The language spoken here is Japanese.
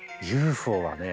「ＵＦＯ」はね。